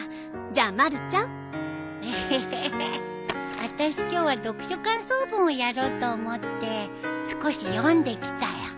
じゃあまるちゃん。エヘヘヘ。あたし今日は読書感想文をやろうと思って少し読んできたよ。